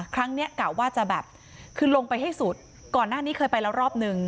ครั้งนี้กะว่าจะแบบคือลงไปให้สุดก่อนหน้านี้เคยไปแล้วรอบนึง